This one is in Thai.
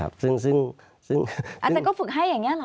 อาจารย์ก็ฝึกให้อย่างนี้เหรอ